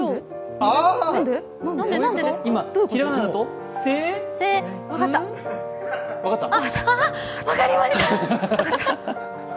ああ、分かりました！